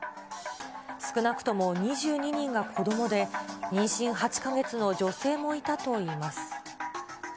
少なくとも２２人が子どもで、妊娠８か月の女性もいたといいます。